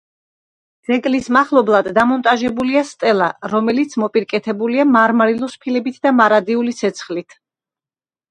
ძეგლის მახლობლად დამონტაჟებულია სტელა, რომელიც მოპირკეთებულია მარმარილოს ფილებით და მარადიული ცეცხლით.